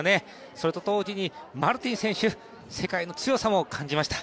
それと同時にマルティン選手世界の強さも感じました。